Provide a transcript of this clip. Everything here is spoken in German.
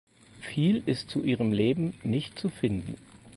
Viel ist zu ihrem Leben nicht zu finden.